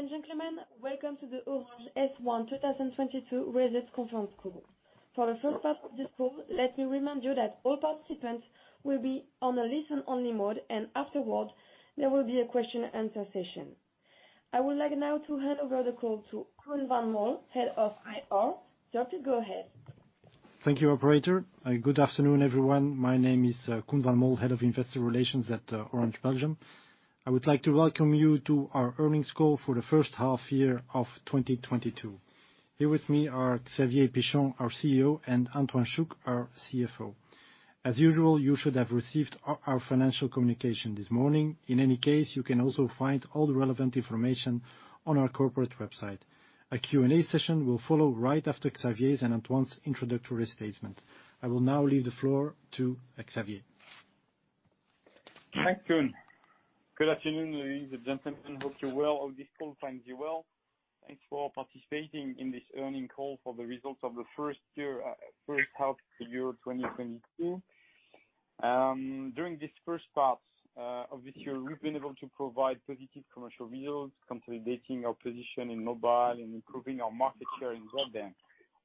Ladies and gentlemen, welcome to the Orange H1 2022 results conference call. For the first part of this call, let me remind you that all participants will be on a listen-only mode, and afterwards there will be a question and answer session. I would like now to hand over the call to Koen Van Mol, Head of IR. Sir, please go ahead. Thank you, operator. Good afternoon, everyone. My name is Koen Van Mol, Head of Investor Relations at Orange Belgium. I would like to welcome you to our earnings call for the first half year of 2022. Here with me are Xavier Pichon, our CEO, and Antoine Chouc, our CFO. As usual, you should have received our financial communication this morning. In any case, you can also find all the relevant information on our corporate website. A Q&A session will follow right after Xavier's and Antoine's introductory statement. I will now leave the floor to Xavier. Thanks, Koen. Good afternoon, ladies and gentlemen. Hope you're well, or this call finds you well. Thanks for participating in this earnings call for the results of the first year, first half of the year 2022. During this first part of this year, we've been able to provide positive commercial results, consolidating our position in mobile and improving our market share in broadband.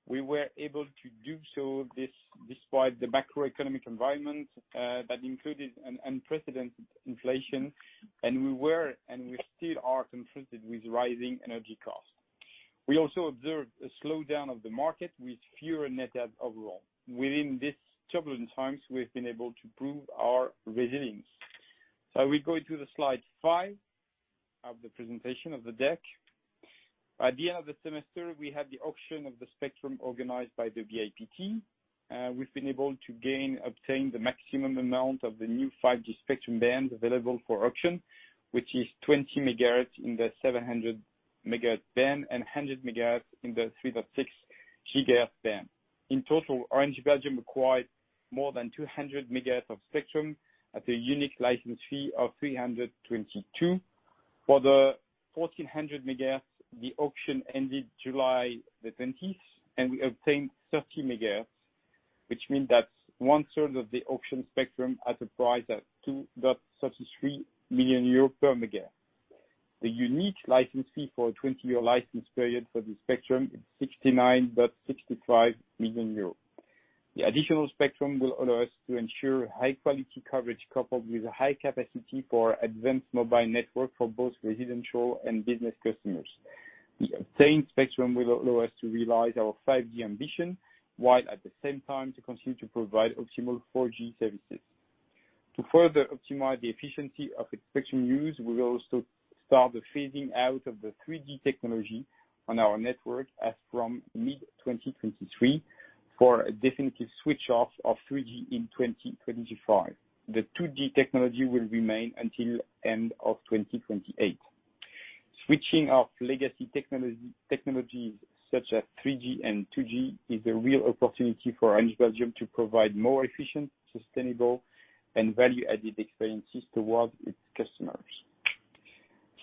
We were able to do so this despite the macroeconomic environment that included an unprecedented inflation, and we still are confronted with rising energy costs. We also observed a slowdown of the market with fewer net adds overall. Within these turbulent times, we've been able to prove our resilience. We go to the slide five of the presentation of the deck. By the end of the semester, we had the auction of the spectrum organized by the BIPT. We've been able to obtain the maximum amount of the new 5G spectrum bands available for auction, which is 20 MHz in the 700 MHz band and 100 MHz in the 3.6 GHz band. In total, Orange Belgium acquired more than 200 MHz of spectrum at a unique license fee of 322 million. For the 1400 MHz, the auction ended July 20, and we obtained 30 MHz, which means that's 1/3 of the auction spectrum at a price of 2.33 million euros per megahertz. The unique license fee for a 20-year license period for this spectrum is 69.65 million euros. The additional spectrum will allow us to ensure high-quality coverage coupled with high capacity for advanced mobile network for both residential and business customers. The obtained spectrum will allow us to realize our 5G ambition, while at the same time to continue to provide optimal 4G services. To further optimize the efficiency of the spectrum use, we will also start the phasing out of the 3G technology on our network as from mid-2023 for a definitive switch off of 3G in 2025. The 2G technology will remain until end of 2028. Switching off legacy technologies such as 3G and 2G is a real opportunity for Orange Belgium to provide more efficient, sustainable and value-added experiences towards its customers.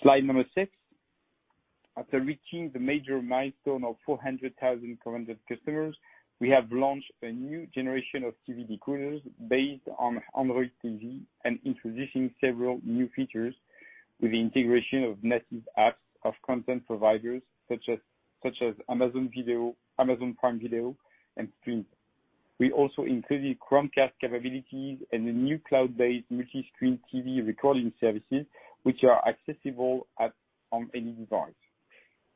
Slide number six. After reaching the major milestone of 400,000 connected customers, we have launched a new generation of TV decoders based on Android TV and introducing several new features with the integration of native apps of content providers such as Amazon Prime Video and Streamz. We also included Chromecast capabilities and the new cloud-based multi-screen TV recording services which are accessible at, on any device.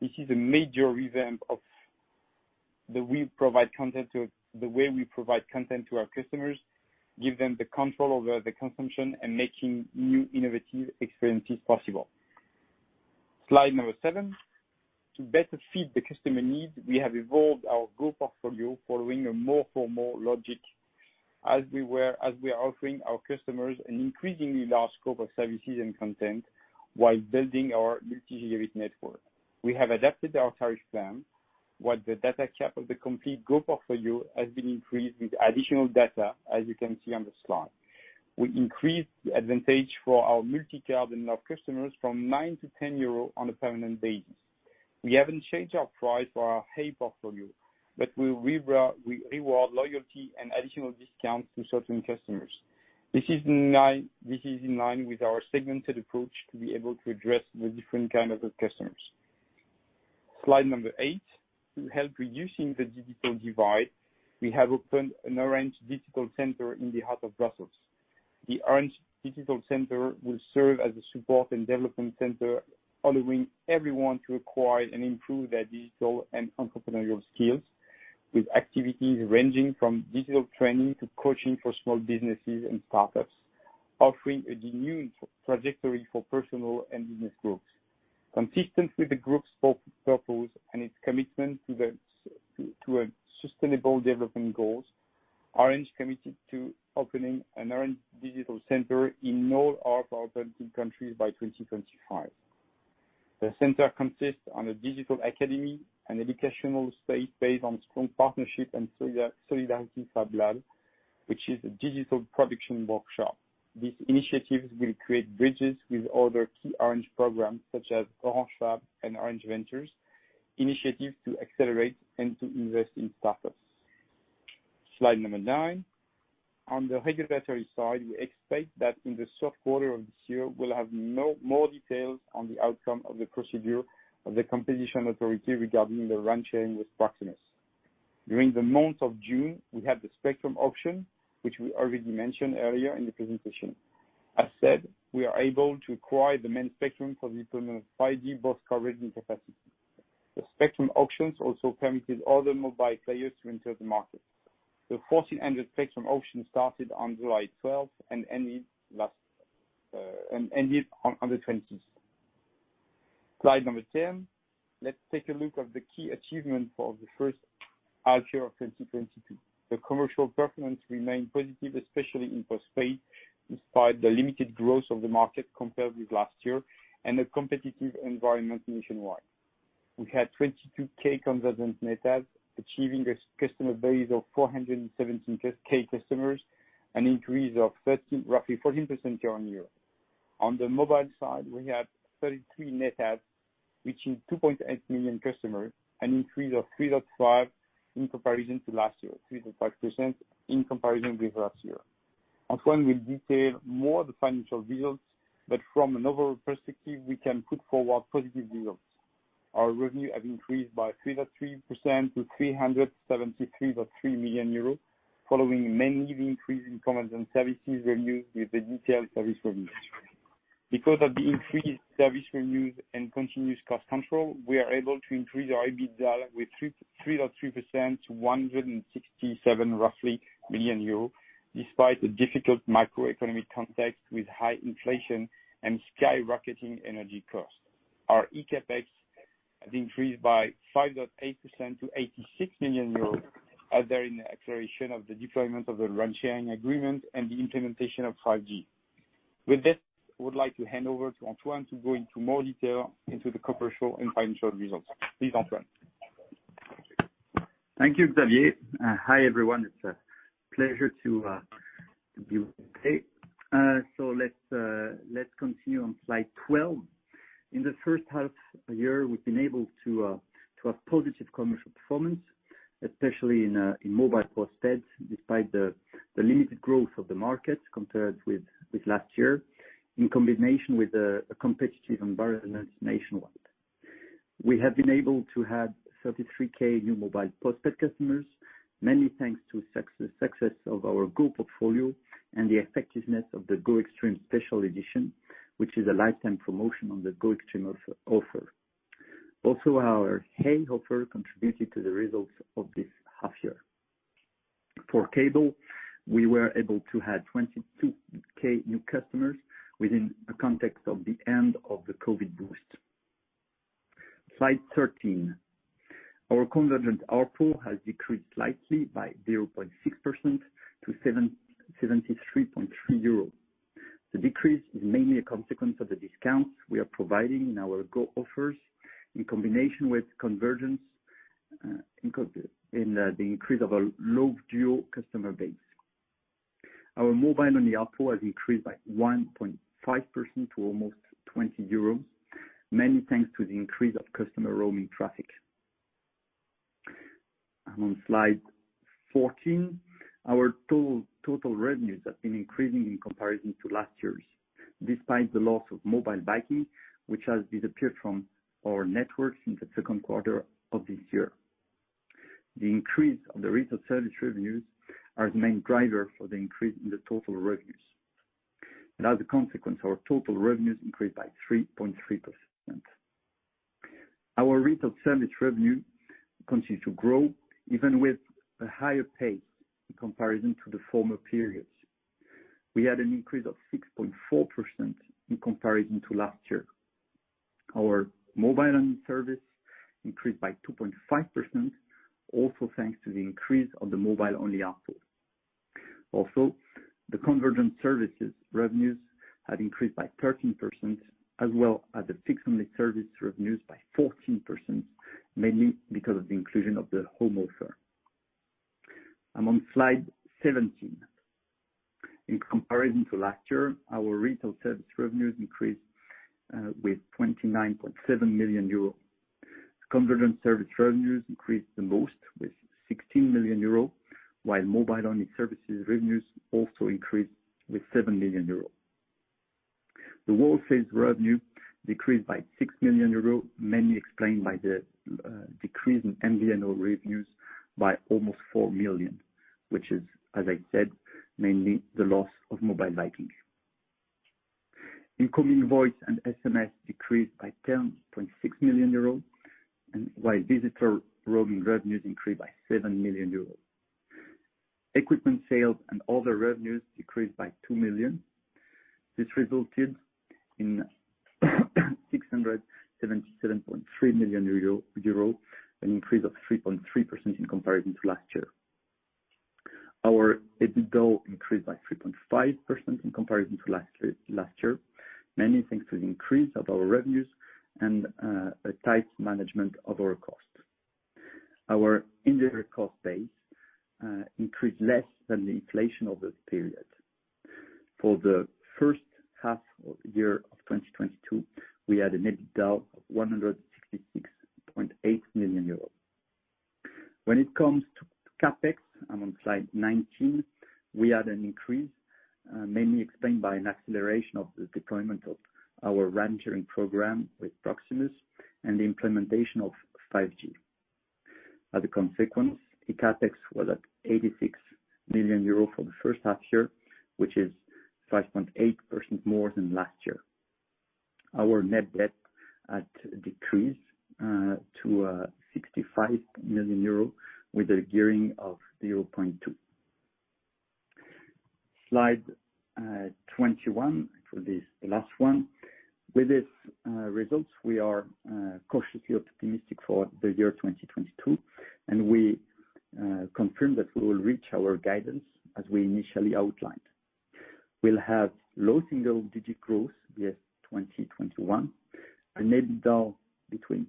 This is a major revamp of the way we provide content to our customers, give them the control over the consumption and making new innovative experiences possible. Slide number seven. To better fit the customer needs, we have evolved our GO portfolio following a more for more logic as we are offering our customers an increasingly large scope of services and content while building our multi-gigabit network. We have adapted our tariff plan. While the data cap of the complete GO portfolio has been increased with additional data, as you can see on the slide. We increased the advantage for our multi-SIM and Love customers from 9 to 10 euro on a permanent basis. We haven't changed our price for our Hey portfolio, but we reward loyalty and additional discounts to certain customers. This is in line with our segmented approach to be able to address the different kind of customers. Slide number eight. To help reducing the digital divide, we have opened an Orange Digital Center in the heart of Brussels. The Orange Digital Center will serve as a support and development center, allowing everyone to acquire and improve their digital and entrepreneurial skills with activities ranging from digital training to coaching for small businesses and startups, offering a genuine trajectory for personal and business growth. Consistent with the group's purpose and its commitment to a Sustainable Development Goals, Orange committed to opening an Orange Digital Center in all of our 20 countries by 2025. The center consists of a digital academy and educational space based on strong partnership and Solidarity FabLab, which is a digital production workshop. These initiatives will create bridges with other key Orange programs such as Orange Fab and Orange Ventures initiatives to accelerate and to invest in startups. Slide number nine. On the regulatory side, we expect that in the third quarter of this year, we'll have more details on the outcome of the procedure of the competition authority regarding the RAN-sharing with Proximus. During the month of June, we had the spectrum auction, which we already mentioned earlier in the presentation. As said, we are able to acquire the main spectrum for the deployment of 5G, both coverage and capacity. The spectrum auctions also permitted other mobile players to enter the market. The 1400 spectrum auction started on July 12 and ended on the 26th. Slide number 10. Let's take a look at the key achievement for the first half of 2022. The commercial performance remained positive, especially in postpaid, despite the limited growth of the market compared with last year and the competitive environment nationwide. We had 22,000 convergent net adds, achieving our customer base of 417,000 customers, an increase of roughly 14% year-on-year. On the mobile side, we had 33,000 net adds, reaching 2.8 million customers, an increase of 3%-5% in comparison with last year. Antoine will detail more the financial results, but from another perspective, we can put forward positive results. Our revenue has increased by 3.3% to 373.3 million euros, following mainly the increase in commercial and services revenue with the detailed service revenues. Because of the increased service revenues and continuous cost control, we are able to increase our EBITDA by 3.3% to 167 million euro roughly, despite the difficult macroeconomic context with high inflation and skyrocketing energy costs. Our eCapEx has increased by 5.8% to 86 million euros, due to the acceleration of the deployment of the RAN-sharing agreement and the implementation of 5G. With this, I would like to hand over to Antoine to go into more detail into the commercial and financial results. Please, Antoine. Thank you, Xavier. Hi, everyone. It's a pleasure to be with you today. Let's continue on slide 12. In the first half year, we've been able to have positive commercial performance, especially in mobile postpaid, despite the limited growth of the market compared with last year in combination with a competitive environment nationwide. We have been able to have 33,000 new mobile postpaid customers, mainly thanks to success of our GO portfolio and the effectiveness of the GO Extreme Special Edition, which is a lifetime promotion on the GO Extreme offer. Also, our Hey! offer contributed to the results of this half year. For cable, we were able to have 22,000 new customers within the context of the end of the COVID boost. Slide 13. Our convergent ARPU has decreased slightly by 0.6% to 773.3 euros. The decrease is mainly a consequence of the discounts we are providing in our GO offers in combination with convergence, the increase of our low dual customer base. Our mobile-only ARPU has increased by 1.5% to almost 20 euros, mainly thanks to the increase of customer roaming traffic. On slide 14, our total revenues have been increasing in comparison to last year's, despite the loss of Mobile Vikings, which has disappeared from our networks in the second quarter of this year. The increase of the service revenues is the main driver for the increase in the total revenues. As a consequence, our total revenues increased by 3.3%. Our rate of service revenue continues to grow, even with a higher pace in comparison to the former periods. We had an increase of 6.4% in comparison to last year. Our mobile-only service increased by 2.5%, also thanks to the increase of the mobile-only ARPU. Also, the convergent services revenues had increased by 13%, as well as the fixed-only service revenues by 14%, mainly because of the inclusion of the [Smart Home]. I'm on slide 17. In comparison to last year, our retail service revenues increased with 29.7 million euros. Convergent service revenues increased the most with 16 million euros, while mobile-only services revenues also increased with 7 million euros. The wholesale revenue decreased by 6 million euros, mainly explained by the decrease in MVNO revenues by almost 4 million, which is, as I said, mainly the loss of Mobile Vikings. Incoming voice and SMS decreased by 10.6 million euros, and while visitor roaming revenues increased by 7 million euros. Equipment sales and other revenues decreased by 2 million. This resulted in 677.3 million euros, an increase of 3.3% in comparison to last year. Our EBITDA increased by 3.5% in comparison to last year, mainly thanks to the increase of our revenues and a tight management of our costs. Our indirect cost base increased less than the inflation of this period. For the first half of the year of 2022, we had an EBITDA of 166.8 million euros. When it comes to CapEx, I'm on slide 19, we had an increase mainly explained by an acceleration of the deployment of our RAN-sharing program with Proximus and the implementation of 5G. As a consequence, the CapEx was at 86 million euros for the first half year, which is 5.8% more than last year. Our net debt decreased to 65 million euro with a gearing of 0.2x. Slide 21. It will be the last one. With these results we are cautiously optimistic for the year 2022, and we confirm that we will reach our guidance as we initially outlined. We'll have low single digit growth versus 2021, an EBITDA between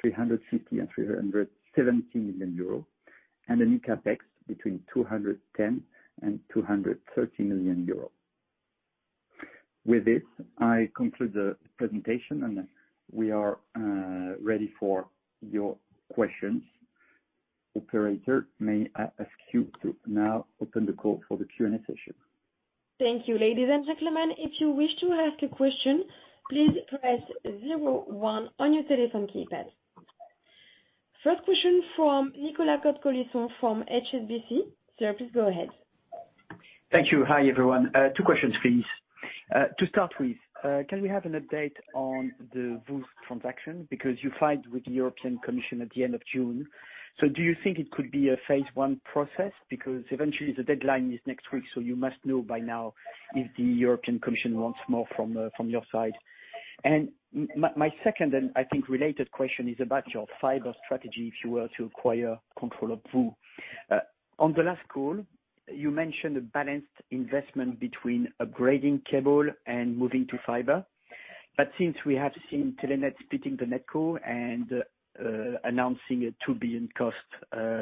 350 million and 370 million euros, and an eCapEx between 210 million and 230 million euros. With this, I conclude the presentation, and we are ready for your questions. Operator, may I ask you to now open the call for the Q&A session. Thank you. Ladies and gentlemen, if you wish to ask a question, please press zero one on your telephone keypad. First question from Nicolas Cote-Colisson from HSBC. Sir, please go ahead. Thank you. Hi, everyone. Two questions, please. To start with, can we have an update on the VOO transaction? You filed with the European Commission at the end of June. Do you think it could be a phase I process? Eventually the deadline is next week, so you must know by now if the European Commission wants more from your side. My second, and I think related question is about your fiber strategy if you were to acquire control of VOO. On the last call, you mentioned a balanced investment between upgrading cable and moving to fiber. Since we have seen Telenet splitting the NetCo and announcing a 2 billion cost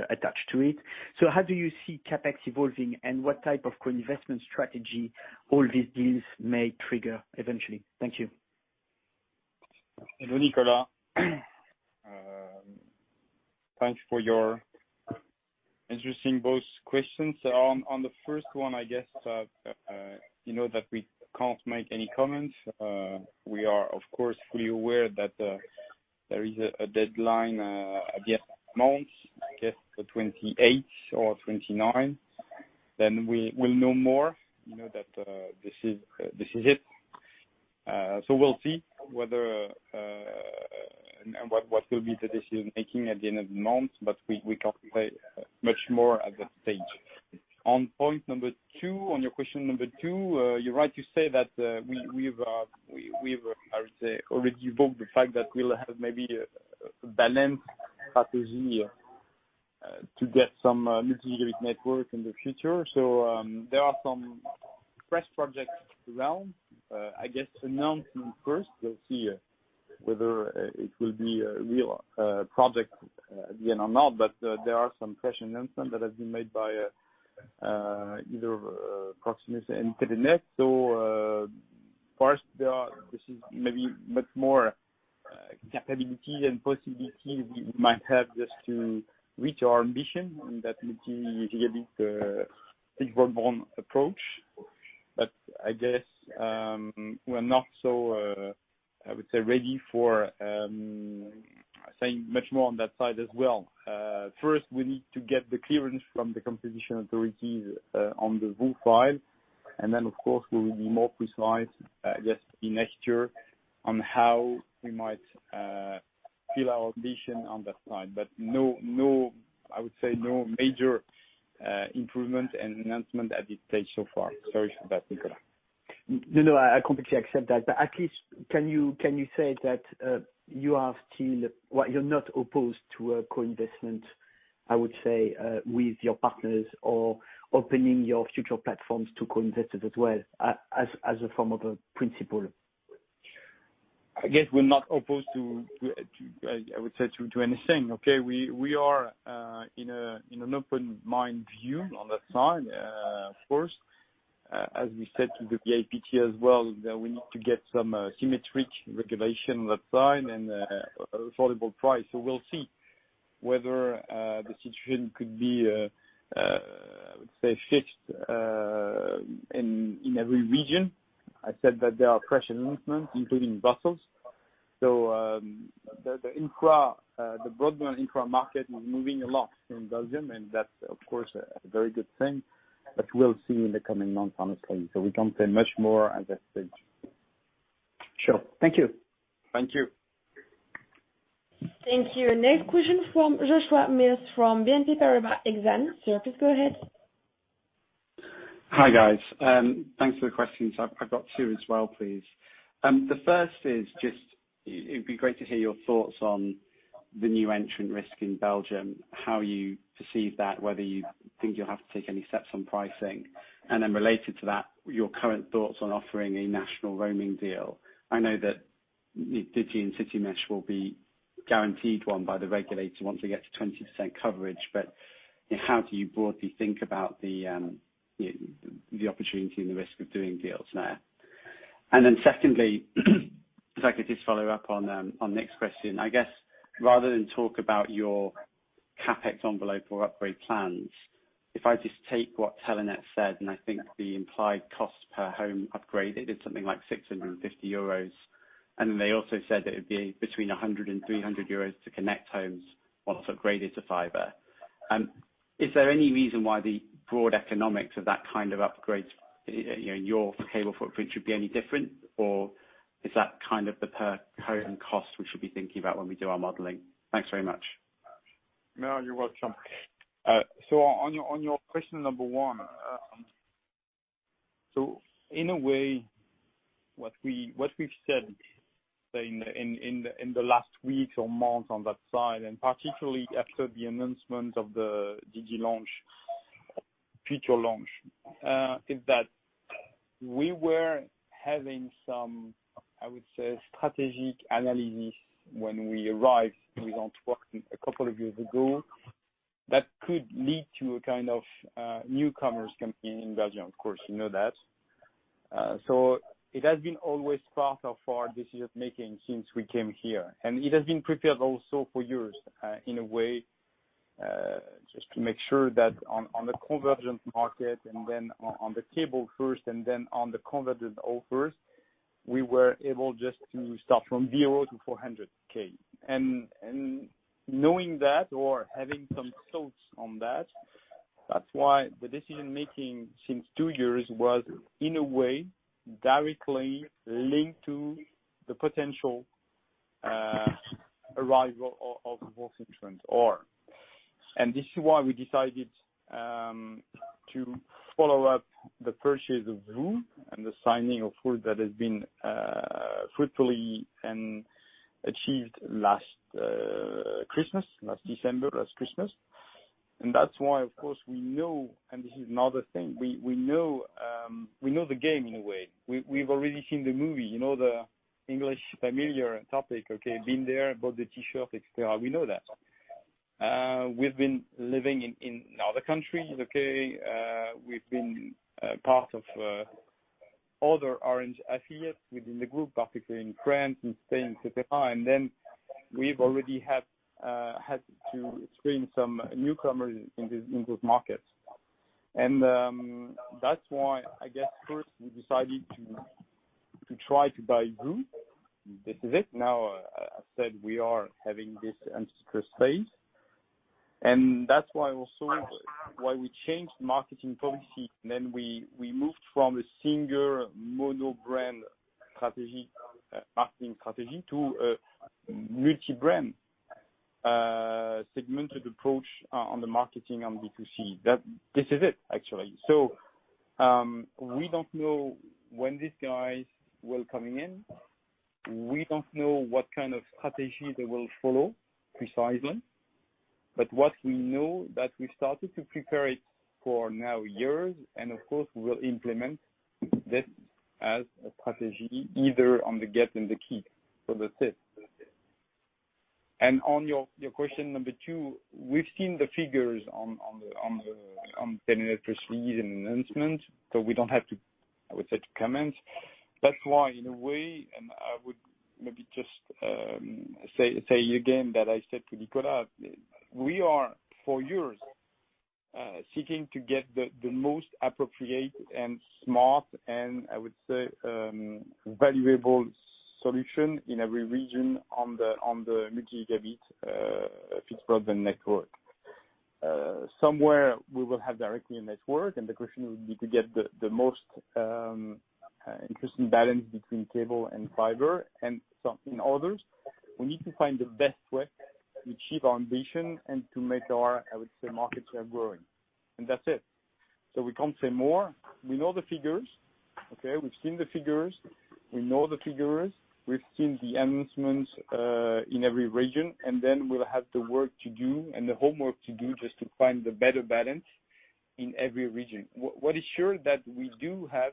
attached to it, how do you see CapEx evolving and what type of co-investment strategy all these deals may trigger eventually? Thank you. Hello, Nicolas. Thanks for your interesting both questions. On the first one, I guess you know that we can't make any comments. We are of course fully aware that there is a deadline at the end of the month, I guess the 28th or 29th. Then we will know more, you know, that this is it. We'll see whether what will be the decision-making at the end of the month, but we can't say much more at this stage. On point number two, on your question number two, you're right to say that we've, I would say, already booked the fact that we'll have maybe a balanced strategy to get some multi-gigabit network in the future. There are some fresh projects around. I guess announcement first we'll see whether it will be a real project at the end or not, but there are some fresh announcements that have been made by either Proximus and Telenet. First there are this is maybe much more capabilities and possibilities we might have just to reach our ambition on that multi-gigabit fixed broadband approach. But I guess, we're not so I would say ready for saying much more on that side as well. First we need to get the clearance from the competition authorities on the VOO file, and then of course, we will be more precise just in next year on how we might fill our ambition on that side. I would say no major improvement and announcement at this stage so far. Sorry for that, Nicolas. No, no, I completely accept that. At least can you say that you are still, well, you're not opposed to a co-investment, I would say, with your partners or opening your future platforms to co-investors as well, as a form of a principle? I guess we're not opposed to, I would say, anything, okay? We are in an open mind view on that side. Of course, as we said to the BIPT as well, that we need to get some symmetric regulation on that side and affordable price. We'll see whether the situation could be, I would say, fixed in every region. I said that there are fresh announcements, including Brussels. The broadband infra market is moving a lot in Belgium, and that's of course a very good thing. We'll see in the coming months, honestly. We can't say much more at this stage. Sure. Thank you. Thank you. Thank you. Next question from Joshua Mills from BNP Paribas Exane. Sir, please go ahead. Hi, guys. Thanks for the questions. I've got two as well, please. The first is just, it'd be great to hear your thoughts on the new entrant risk in Belgium, how you perceive that, whether you think you'll have to take any steps on pricing. Then related to that, your current thoughts on offering a national roaming deal. I know that. Digi and Citymesh will be guaranteed one by the regulator once they get to 20% coverage. How do you broadly think about the opportunity and the risk of doing deals there? Secondly, if I could just follow up on Nick's question. I guess, rather than talk about your CapEx envelope or upgrade plans, if I just take what Telenet said, and I think the implied cost per home upgraded is something like 650 euros. They also said that it would be between 100 and 300 euros to connect homes once upgraded to fiber. Is there any reason why the broad economics of that kind of upgrade, you know, your cable footprint should be any different or is that kind of the per home cost we should be thinking about when we do our modeling? Thanks very much. No, you're welcome. On your question number one. In a way, what we've said in the last week or month on that side, and particularly after the announcement of the Digi launch, future launch, is that we were having some, I would say, strategic analysis when we arrived in Antwerp a couple of years ago, that could lead to a kind of newcomers coming in Belgium. Of course, you know that. It has been always part of our decision-making since we came here, and it has been prepared also for years, in a way, just to make sure that on the convergent market and then on the cable first and then on the convergent offers, we were able just to start from zero to 400,000. Knowing that or having some thoughts on that's why the decision-making since two years was, in a way, directly linked to the potential arrival of both entrants. This is why we decided to follow up the purchase of VOO and the signing of VOO that has been fruitful and achieved last December. That's why, of course, we know, and this is another thing, we know the game in a way. We've already seen the movie, you know, the English familiar topic, okay. Been there, bought the T-shirt, et cetera. We know that. We've been living in other countries, okay. We've been part of other Orange affiliates within the group, particularly in France and Spain, et cetera. We've already had to experience some newcomers in those markets. That's why I guess first we decided to try to buy VOO. This is it. Now, I said, we are having this in this space. That's why we changed marketing policy. We moved from a single mono-brand strategy, marketing strategy to a multi-brand, segmented approach on the marketing on B2C. This is it, actually. We don't know when these guys will come in. We don't know what kind of strategy they will follow precisely, but what we know that we started to prepare it for a number of years, and of course, we will implement this as a strategy either on the get and the keep. That's it. On your question number two, we've seen the figures on the Telenet press release and announcement, so we don't have to, I would say, comment. That's why in a way, I would maybe just say again that I said to Nicolas, we are for years seeking to get the most appropriate and smart and, I would say, valuable solution in every region on the multi-gigabit fixed broadband network. Somewhere, we will have directly a network, and the question would be to get the most interesting balance between cable and fiber and some in others. We need to find the best way to achieve our ambition and to make our, I would say, market share growing. That's it. So we can't say more. We know the figures, okay. We've seen the figures. We know the figures. We've seen the announcements in every region, and then we'll have the work to do and the homework to do just to find the better balance in every region. What is sure that we do have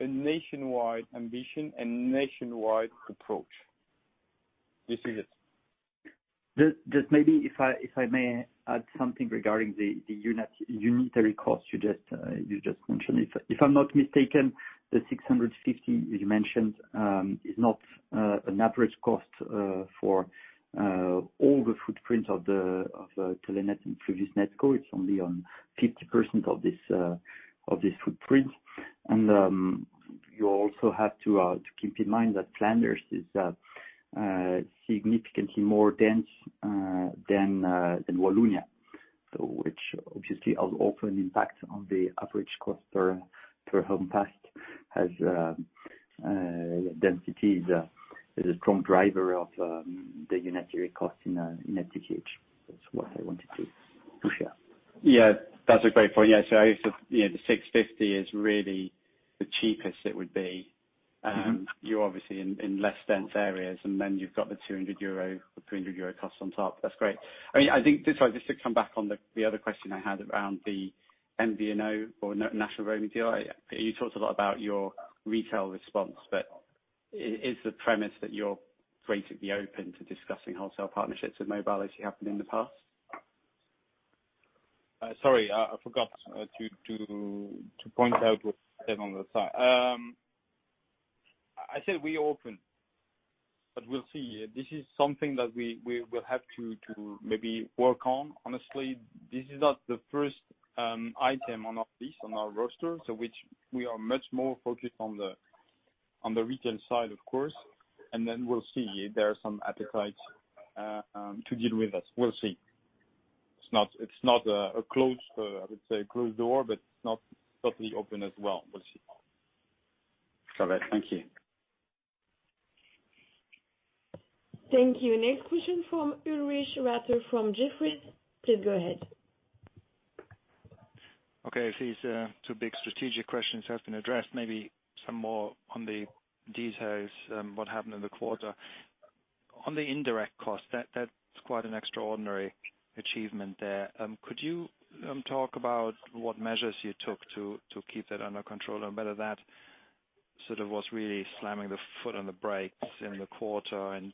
a nationwide ambition and nationwide approach. This is it. Just maybe if I may add something regarding the unitary cost you just mentioned. If I'm not mistaken, the 650 you mentioned is not an average cost for all the footprint of Telenet and previous NetCo. It's only on 50% of this footprint. You also have to keep in mind that Flanders is significantly more dense than Wallonia. Which obviously has also an impact on the average cost per home passed as density is a strong driver of the unitary cost in FTTH. That's what I wanted to share. Yeah. That's a great point. Yeah. You know, the 650 is really the cheapest it would be. You're obviously in less dense areas, and then you've got the 200 euro or 300 euro cost on top. That's great. I mean, I think, sorry, just to come back on the other question I had around the MVNO or national roaming deal. You talked a lot about your retail response, but is the premise that you're greatly open to discussing wholesale partnerships with mobile as you have been in the past? Sorry, I forgot to point out what's said on the side. I said we're open, but we'll see. This is something that we will have to maybe work on. Honestly, this is not the first item on our list, on our roster, so which we are much more focused on the retail side, of course. We'll see if there are some appetites to deal with us. We'll see. It's not a closed door, I would say, but it's not totally open as well. We'll see. All right. Thank you. Thank you. Next question from Ulrich Rathe, from Jefferies. Please go ahead. Okay. If these two big strategic questions have been addressed, maybe some more on the details on what happened in the quarter. On the indirect cost, that's quite an extraordinary achievement there. Could you talk about what measures you took to keep that under control and whether that sort of was really slamming the foot on the brakes in the quarter and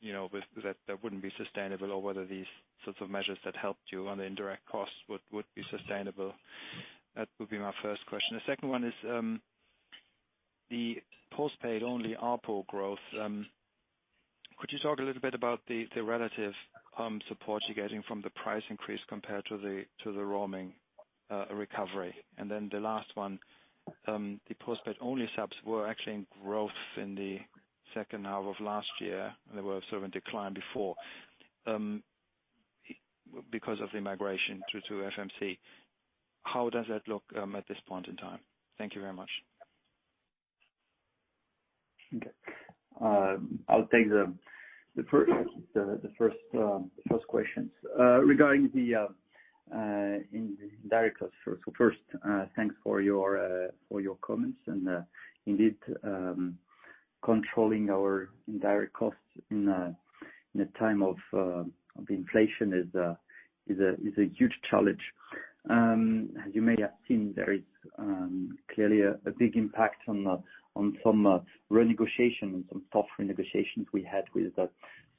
you know, with that wouldn't be sustainable or whether these sorts of measures that helped you on the indirect costs would be sustainable? That would be my first question. The second one is the postpaid only ARPU growth. Could you talk a little bit about the relative support you're getting from the price increase compared to the roaming recovery? The last one, the postpaid only subs were actually in growth in the second half of last year. They were sort of in decline before, because of the migration through to FMC. How does that look, at this point in time? Thank you very much. Okay. I'll take the first questions regarding the indirect costs first. First, thanks for your comments. Indeed, controlling our indirect costs in a time of inflation is a huge challenge. As you may have seen, there is clearly a big impact on some tough renegotiations we had with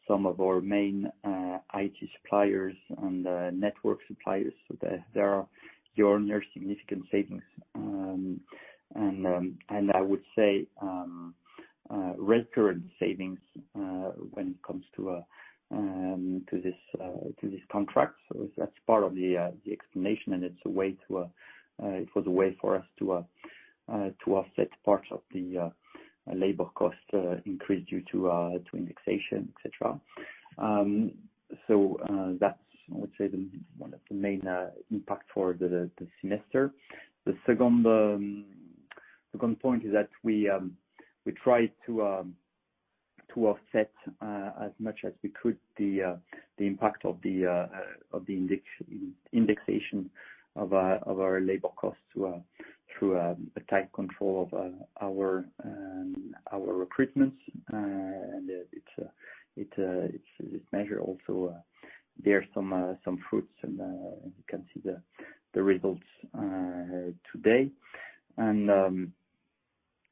some of our main IT suppliers and network suppliers, so that there are year-on-year significant savings. I would say recurrent savings when it comes to this contract. That's part of the explanation, and it was a way for us to offset parts of the labor cost increase due to indexation, et cetera. That's, I would say, one of the main impact for the semester. The second point is that we try to offset as much as we could the impact of the indexation of our labor costs through a tight control of our recruitments. It's a measure also, there are some fruits, and you can see the results today.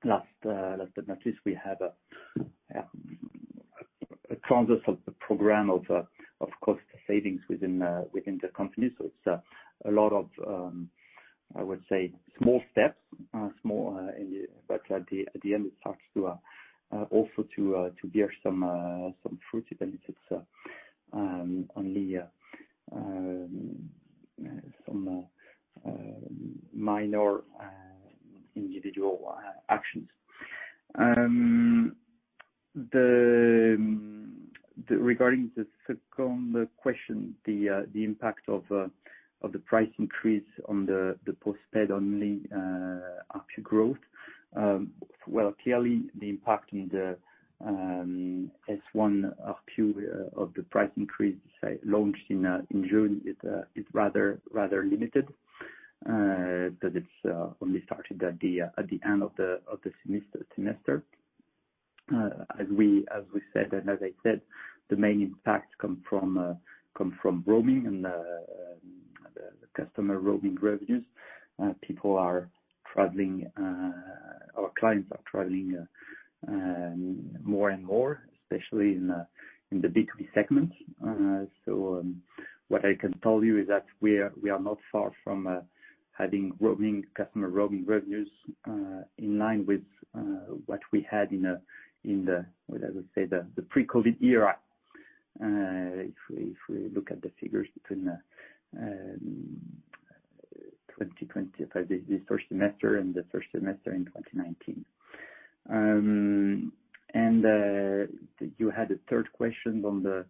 Last but not least, we have a thrust of the program of cost savings within the company. It's a lot of, I would say, small steps. At the end, it starts also to bear some fruits, even if it's only some minor individual actions. Regarding the second question, the impact of the price increase on the postpaid-only ARPU growth. Well, clearly the impact in the H1 ARPU of the price increase, say, launched in June is rather limited because it's only started at the end of the semester. As we said, and as I said, the main impacts come from roaming and the customer roaming revenues. People are traveling, our clients are traveling more and more, especially in the B2B segment. What I can tell you is that we are not far from having roaming customer roaming revenues in line with what we had in what I would say the pre-COVID era, if we look at the figures between 2020... This first semester and the first semester in 2019. You had a third question on the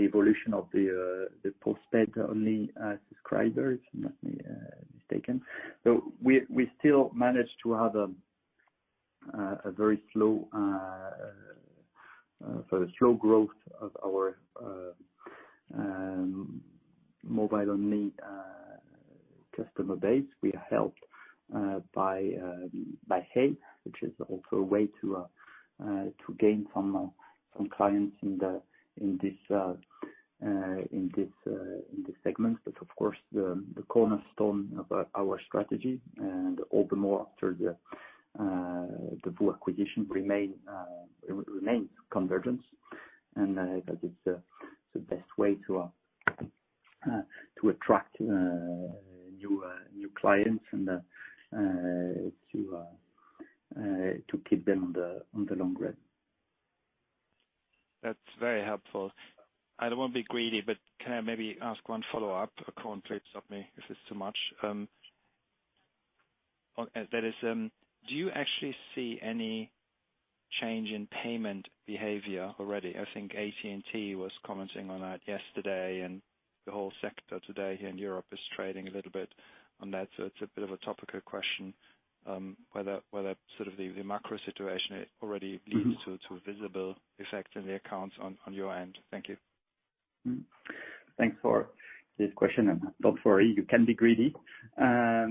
evolution of the postpaid only subscribers, if I'm not mistaken. We still managed to have a very slow growth of our mobile-only customer base. We are helped by Hey!, which is also a way to gain some clients in this segment. That's of course the cornerstone of our strategy and all the more after the full acquisition remains convergence and that is the best way to attract new clients and to keep them on the long run. That's very helpful. I won't be greedy, but can I maybe ask one follow-up? Koen, please stop me if it's too much. That is, do you actually see any change in payment behavior already? I think AT&T was commenting on that yesterday, and the whole sector today here in Europe is trading a little bit on that. It's a bit of a topical question, whether sort of the macro situation already leads to visible effects in the accounts on your end. Thank you. Thanks for this question, and don't worry, you can be greedy. That's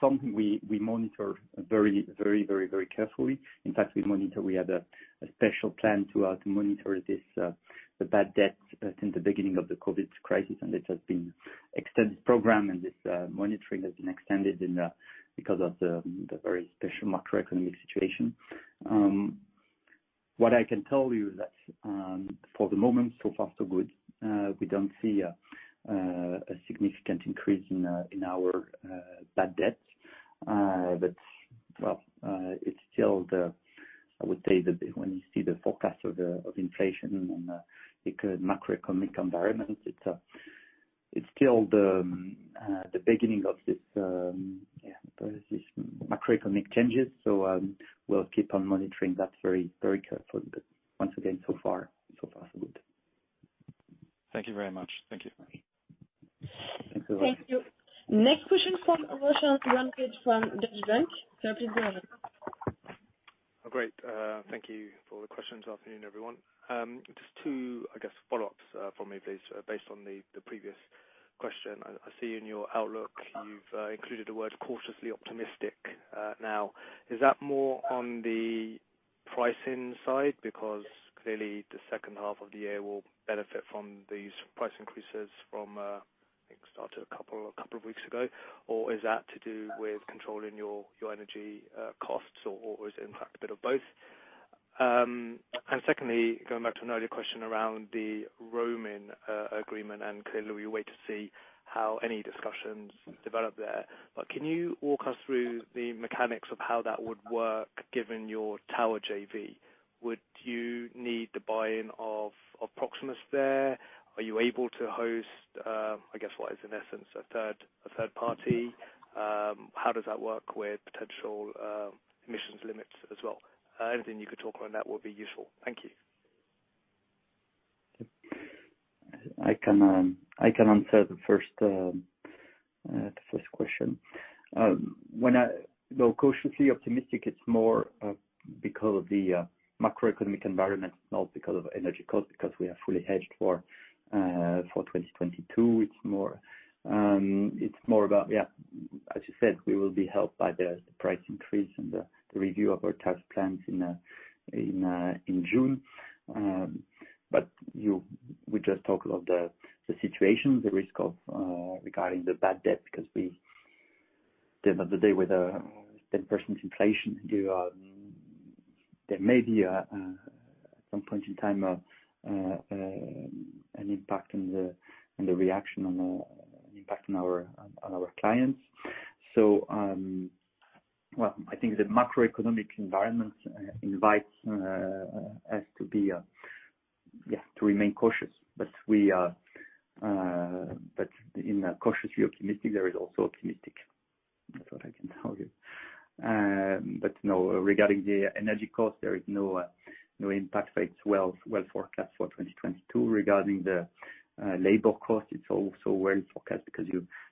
something we monitor very carefully. In fact, we had a special plan to monitor the bad debts since the beginning of the COVID crisis, and it has been extended program, and this monitoring has been extended because of the very special macroeconomic situation. What I can tell you is that, for the moment, so far, so good. We don't see a significant increase in our bad debts. It's still the beginning. I would say, when you see the forecast of inflation and the macroeconomic environment, it's still the beginning of this macroeconomic changes. We'll keep on monitoring that very carefully. Once again, so far so good. Thank you very much. Thank you. Thank you. Thank you. Next question from Roshan Ranjit from Deutsche Bank. Please go ahead. Oh, great. Thank you for the questions. Afternoon, everyone. Just two, I guess, follow-ups from me, please, based on the previous question. I see in your outlook you've included the word cautiously optimistic now. Is that more on the pricing side? Because clearly the second half of the year will benefit from these price increases from, I think started a couple of weeks ago. Or is that to do with controlling your energy costs, or is it in fact a bit of both? Secondly, going back to an earlier question around the roaming agreement, and clearly we wait to see how any discussions develop there. Can you walk us through the mechanics of how that would work, given your tower JV? Would you need the buy-in of Proximus there? Are you able to host, I guess what is in essence a third party? How does that work with potential emissions limits as well? Anything you could talk on that would be useful. Thank you. I can answer the first question. Though cautiously optimistic, it's more because of the macroeconomic environment, not because of energy costs, because we are fully hedged for 2022. It's more about, yeah, as you said, we will be helped by the price increase and the review of our tax plans in June. We just talk about the situation, the risk of regarding the bad debt, because we at the end of the day, with 10% inflation, there may be an impact on our clients. Well, I think the macroeconomic environment invites us to remain cautious. We are cautiously optimistic. There is also optimism. That's what I can tell you. Regarding the energy cost, there is no impact. It's well forecast for 2022. Regarding the labor cost, it's also well forecast because,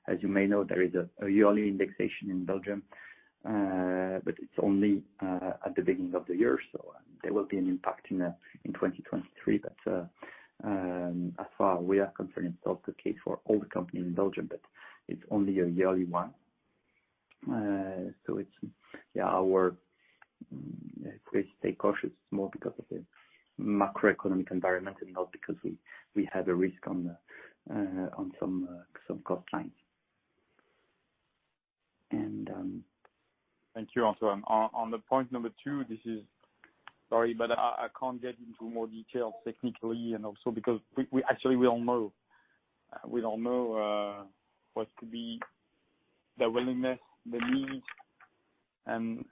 as you may know, there is a yearly indexation in Belgium, but it's only at the beginning of the year, so there will be an impact in 2023. As far as we are concerned, it's also the case for all the companies in Belgium, but it's only a yearly one. If we stay cautious, it's more because of the macroeconomic environment and not because we have a risk on some cost lines. Thank you, Roshan. On the point number two, sorry, but I can't get into more details technically and also because we actually don't know. We don't know what could be the willingness, the needs and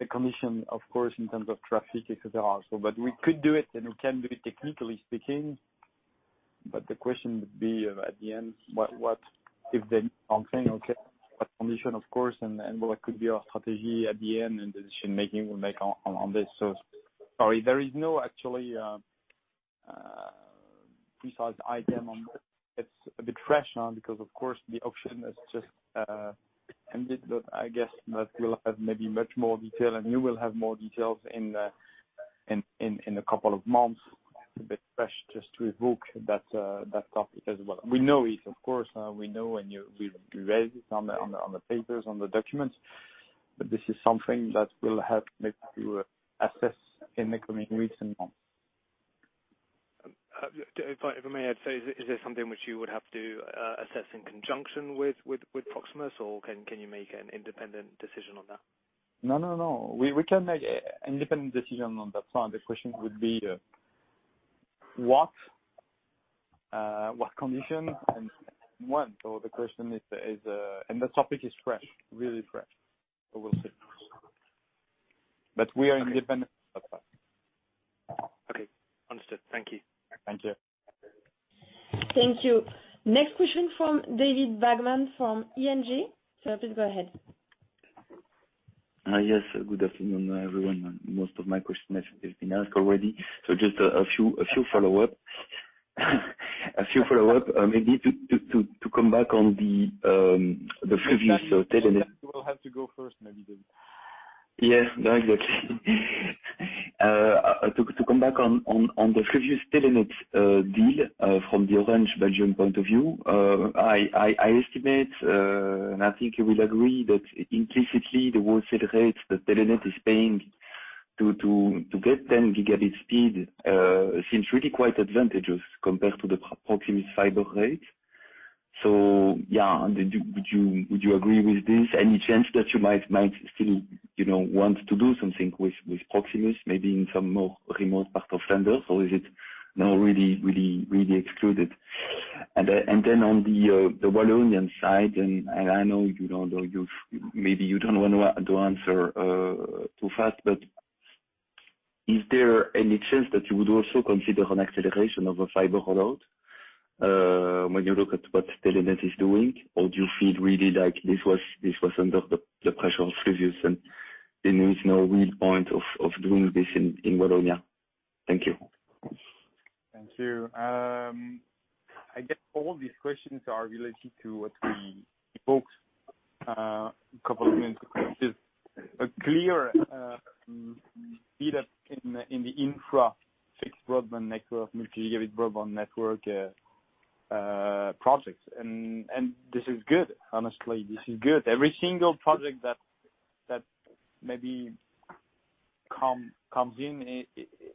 the commission, of course, in terms of traffic, et cetera also. But we could do it, and we can do it technically speaking, but the question would be at the end, what if they 10%, okay, what commission, of course, and what could be our strategy at the end and decision-making we make on this. Sorry, there is no actually precise item on that. It's a bit fresh now because of course the auction has just ended. I guess that we'll have maybe much more detail, and you will have more details in a couple of months. It's a bit fresh just to evoke that topic as well. We know it, of course, we know we read it on the papers, on the documents, but this is something that will help make you assess in the coming weeks and months. If I may, I'd say, is this something which you would have to assess in conjunction with Proximus? Or can you make an independent decision on that? No, no. We can make an independent decision on that plan. The question would be what condition and when. The question is. The topic is fresh, really fresh, but we'll see. We are independent of that. Okay. Understood. Thank you. Thank you. Thank you. Next question from David Vagman from ING. Sir, please go ahead. Yes. Good afternoon, everyone. Most of my questions have been asked already, so just a few follow-up, maybe to come back on the previous Telenet- You will have to go first, maybe, David. Yes. No, exactly. To come back on the previous Telenet deal from the Orange Belgium point of view. I estimate and I think you will agree that implicitly the wholesale rates that Telenet is paying to get 10 Gb speed seems really quite advantageous compared to the Proximus fiber rates. So yeah. Would you agree with this? Any chance that you might still, you know, want to do something with Proximus maybe in some more remote part of Flanders, or is it now really excluded? Then on the Walloon side, I know maybe you don't want to answer too fast, but is there any chance that you would also consider an acceleration of a fiber rollout when you look at what Telenet is doing? Or do you feel really like this was under the pressure of Proximus and there is no real point of doing this in Wallonia? Thank you. Thank you. I guess all these questions are related to what we invoked a couple of minutes ago. Just a clear speed up in the infra fixed broadband network, multi-gigabit broadband network projects. This is good. Honestly, this is good. Every single project that comes in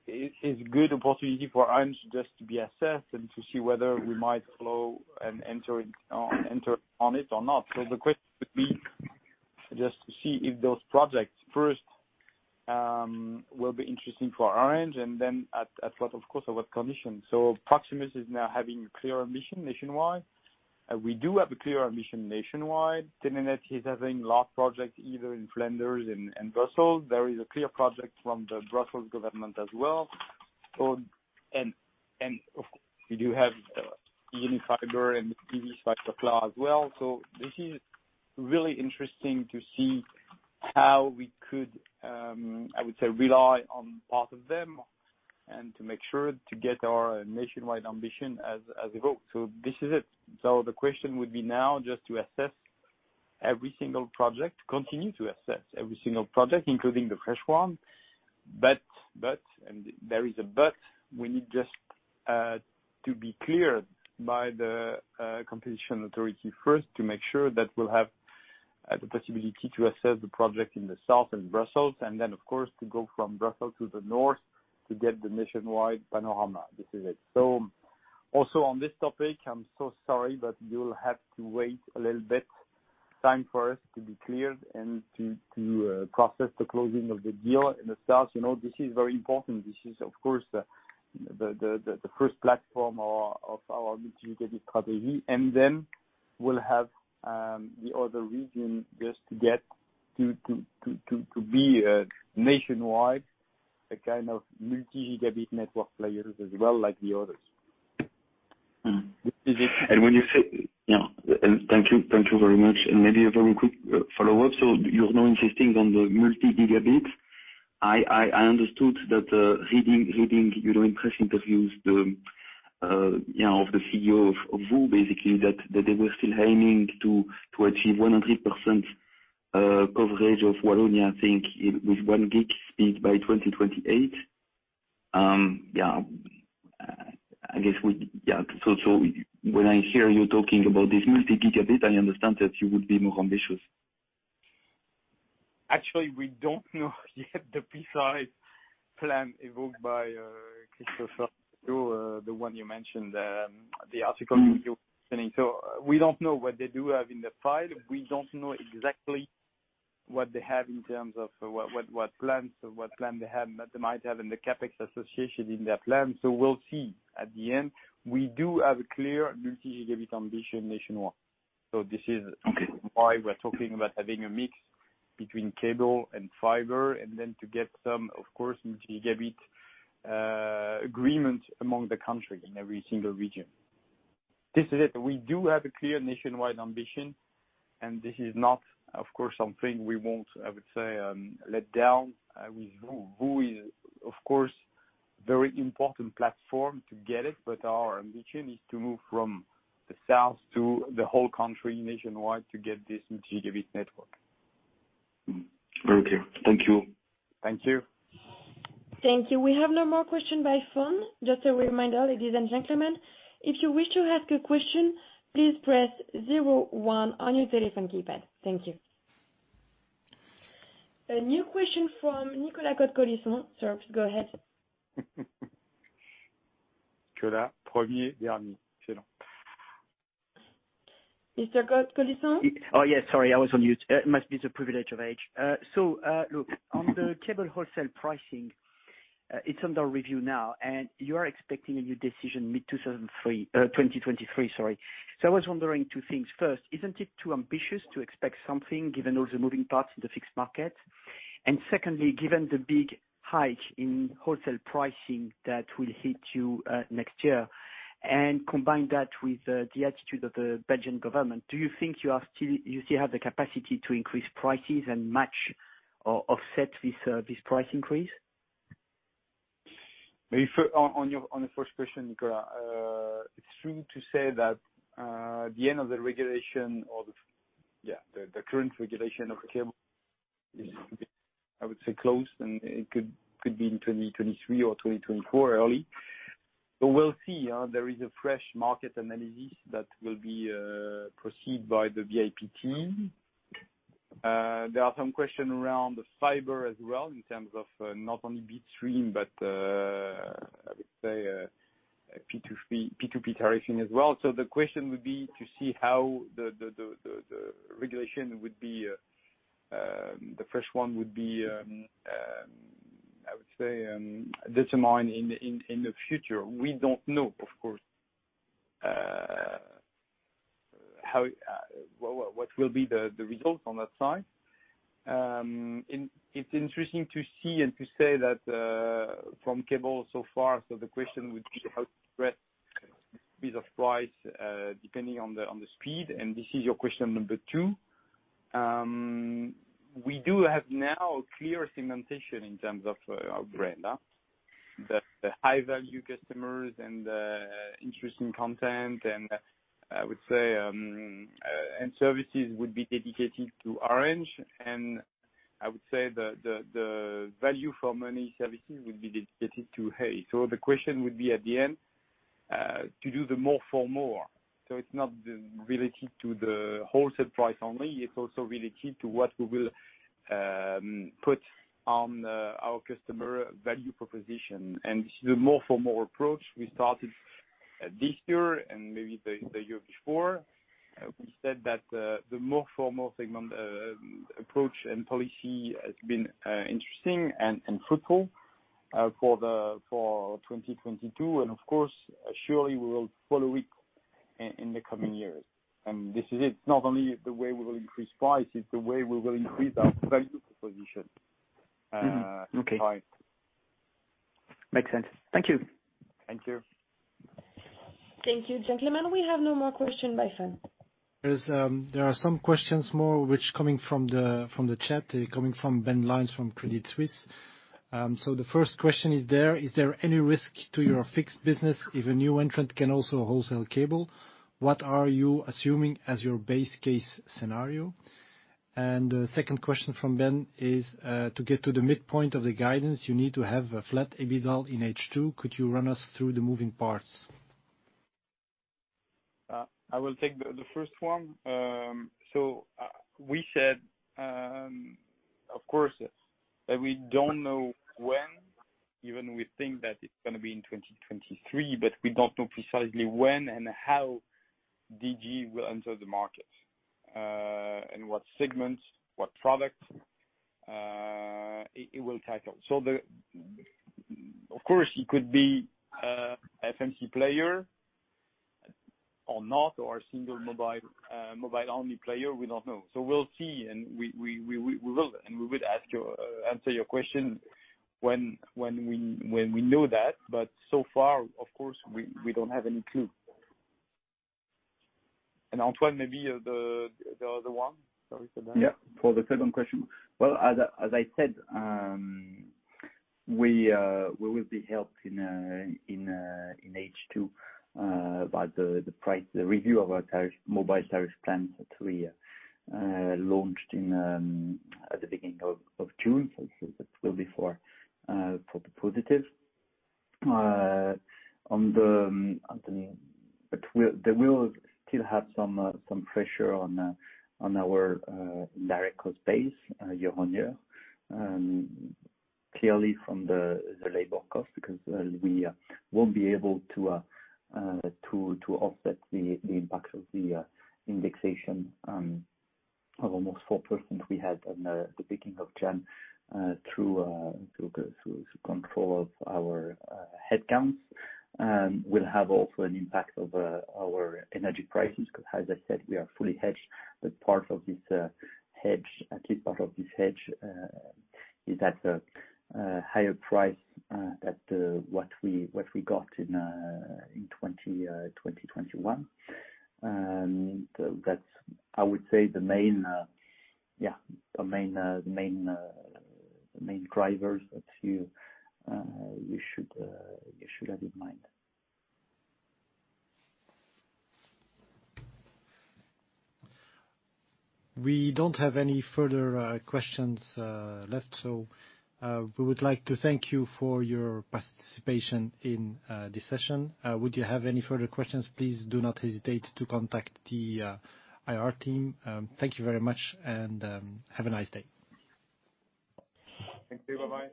is good opportunity for Orange just to be assessed and to see whether we might go and enter into it or not. The question would be just to see if those projects first will be interesting for Orange and then at last, of course, our decision. Proximus is now having clear ambition nationwide. We do have a clear ambition nationwide. Telenet is having large projects either in Flanders in Brussels. There is a clear project from the Brussels government as well. Of course we do have the own fiber and easy fiber cloud as well. This is really interesting to see how we could, I would say, rely on part of them and to make sure to get our nationwide ambition as a group. This is it. The question would be now just to assess every single project, including the fresh one. There is a but, we need just to be cleared by the competition authority first to make sure that we'll have the possibility to assess the project in the south and Brussels, and then of course, to go from Brussels to the north to get the nationwide panorama. This is it. Also on this topic, I'm so sorry, but you'll have to wait a little bit time for us to be clear and to process the closing of the deal in the south. You know, this is very important. This is of course the first platform or of our multi-gigabit strategy. Then we'll have the other region just to get to be a nationwide, a kind of multi-gigabit network players as well, like the others. Mm-hmm. This is it. Thank you very much. Maybe a very quick follow-up. You're now insisting on the multi-gigabit. I understood that reading you know in press interviews you know of the CEO of VOO basically that they were still aiming to achieve 100% coverage of Wallonia, I think with 1 gig speed by 2028. Yeah. When I hear you talking about this multi-gigabit, I understand that you would be more ambitious. Actually, we don't know yet the precise plan evoked by Christophe, the one you mentioned, the article you're sending. We don't know what they do have in the file. We don't know exactly what they have in terms of what plans they have, they might have in the CapEx association in their plan. We'll see at the end. We do have a clear multi-gigabit ambition nationwide. This is- Okay. — why we're talking about having a mix between cable and fiber and then to get some, of course, multi-gigabit agreement across the country in every single region. This is it. We do have a clear nationwide ambition, and this is not, of course, something we won't, I would say, let down with VOO. VOO is of course very important platform to get it, but our ambition is to move from the south to the whole country nationwide to get this multi-gigabit network. Mm-hmm. Very clear. Thank you. Thank you. Thank you. We have no more question by phone. Just a reminder, ladies and gentlemen, if you wish to ask a question, please press zero one on your telephone keypad. Thank you. A new question from Nicolas Cote-Colisson. Sir, go ahead. Nicolas Mr. Cote-Colisson? Oh, yes, sorry, I was on mute. It must be the privilege of age. Look, on the cable wholesale pricing, it's under review now, and you are expecting a new decision mid-2023, sorry. I was wondering two things. First, isn't it too ambitious to expect something given all the moving parts in the fixed market? Secondly, given the big hike in wholesale pricing that will hit you next year, and combine that with the attitude of the Belgian government, do you think you still have the capacity to increase prices and match or offset this price increase? Referring to your first question, Nicolas, it's true to say that the end of the regulation or the current regulation of the cable is I would say close, and it could be in 2023 or early 2024. We'll see, there is a fresh market analysis that will be proceeded by the BIPT team. There are some questions around the fiber as well in terms of not only bitstream, but I would say P2P tariffing as well. The question would be to see how the regulation would be, the first one would be I would say determined in the future. We don't know, of course, how what will be the results on that side. It's interesting to see and to say that from cable so far the question would be how to spread pricing depending on the speed and this is your question number two. We do have now clear segmentation in terms of our brand that the high-value customers and the interesting content and I would say and services would be dedicated to Orange and I would say the value for money services would be dedicated to Hey!. The question would be at the end to do the more for more so it's not related to the wholesale price only it's also related to what we will put on our customer value proposition. This is more for more approach we started this year and maybe the year before. We said that the more for more segment approach and policy has been interesting and fruitful for 2022. Of course, surely we will follow it in the coming years. This is it, not only the way we will increase price, it's the way we will increase our value proposition. Mm-hmm. Okay. -right. Makes sense. Thank you. Thank you. Thank you, gentlemen. We have no more questions on the phone. There are some questions more which coming from the chat, they coming from Ben Lyons from Credit Suisse. The first question is there: Is there any risk to your fixed business if a new entrant can also wholesale cable? What are you assuming as your base case scenario? The second question from Ben is: To get to the midpoint of the guidance you need to have a flat EBITDA in H2, could you run us through the moving parts? I will take the first one. We said, of course, that we don't know when. Even we think that it's gonna be in 2023, but we don't know precisely when and how Digi will enter the market, and what segments, what products, it will tackle. Of course, it could be FMC player or not, or a single mobile-only player, we don't know. We'll see, and we would answer your question when we know that. So far, of course, we don't have any clue. Antoine, maybe the other one. Sorry for that. Yeah. For the second question. Well, as I said, we will be helped in H2 by the price review of our mobile tariff plans that we launched at the beginning of June. So it will be for the positive. On the [Antoine]. But they will still have some pressure on our direct cost base year-on-year, clearly from the labor cost because we won't be able to offset the impact of the indexation of almost 4% we had at the beginning of January through control of our headcounts. We'll have also an impact of our energy prices 'cause as I said, we are fully hedged, but part of this hedge, at least part of this hedge, is at a higher price, at what we got in 2021. So that's, I would say, the main drivers that you should have in mind. We don't have any further questions left, so we would like to thank you for your participation in this session. Would you have any further questions? Please do not hesitate to contact the IR team. Thank you very much, and have a nice day. Thank you. Bye-bye.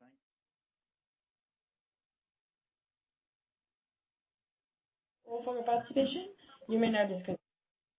Thanks. — all for your participation. You may now disconnect.